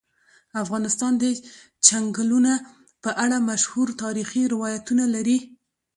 افغانستان د چنګلونه په اړه مشهور تاریخی روایتونه لري.